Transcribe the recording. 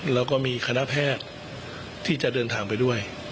แล้วก็มีคณะแพทย์ที่จะเดินทางไปด้วย